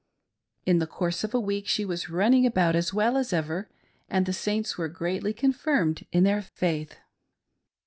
In the course of a week she was running about as well as ever, and the Saints were greatly confirmed in their faith.